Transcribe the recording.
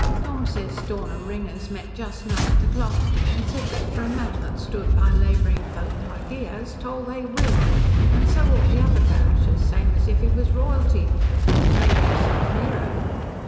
Tom says Stornham ringers met just now at The Clock an' said that for a man that's stood by labouring folk like he has, toll they will, an' so ought the other parishes, same as if he was royalty, for he's made himself nearer.